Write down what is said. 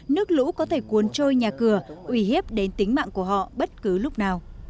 nước lũ có thể cuốn trôi nhà cửa uy hiếp đến tính mạng của họ bất cứ lúc nào